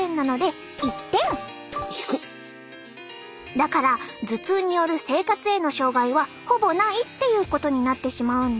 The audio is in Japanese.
だから頭痛による生活への障害はほぼないっていうことになってしまうんだ。